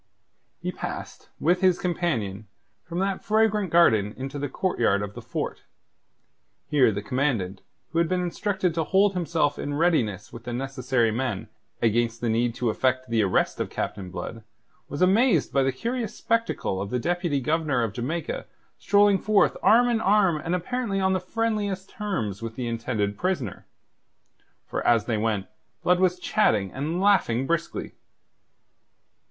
He passed, with his companion, from that fragrant garden into the courtyard of the fort. Here the Commandant, who had been instructed to hold himself in readiness with the necessary men against the need to effect the arrest of Captain Blood, was amazed by the curious spectacle of the Deputy Governor of Jamaica strolling forth arm in arm and apparently on the friendliest terms with the intended prisoner. For as they went, Blood was chatting and laughing briskly.